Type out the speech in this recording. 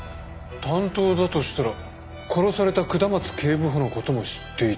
担当だとしたら殺された下松警部補の事も知っていたはず。